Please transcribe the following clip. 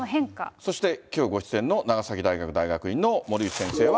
そしてきょうご出演の長崎大学大学院の森内先生は。